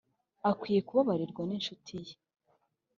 Akwiriye kubabarirwa n incuti ye